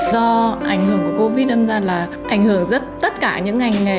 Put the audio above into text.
do ảnh hưởng của covid âm ra là ảnh hưởng rất tất cả những ngành nghề